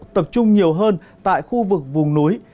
tập trung nhiều hơn tại khu vực vùng núi